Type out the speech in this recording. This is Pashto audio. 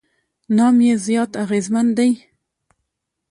نام یې زیات اغېزمن دی.